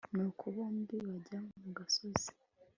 Nuko bombi bajyana mu gasozi